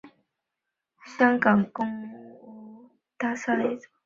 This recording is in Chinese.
旧长型大厦或长型大厦是香港公共屋邨大厦的一种。